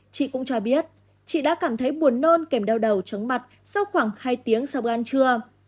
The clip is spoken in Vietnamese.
chị cũng cho biết chị đã cảm thấy buồn nôn kèm đau đầu trống mặt sau khoảng hai tiếng sau ban trưa